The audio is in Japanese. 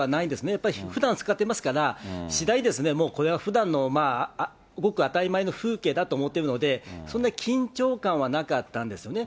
やっぱりふだん使ってますから、次第にこれはふだんのごく当たり前の風景だと思ってるので、そんな、緊張感はなかったんですね。